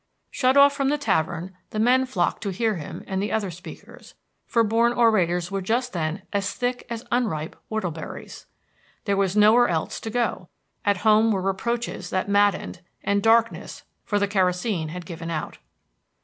Shut off from the tavern, the men flocked to hear him and the other speakers, for born orators were just then as thick as unripe whortleberries. There was nowhere else to go. At home were reproaches that maddened, and darkness, for the kerosene had given out.